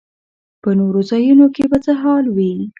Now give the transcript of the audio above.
په نورو ځایونو کې به څه حال وي.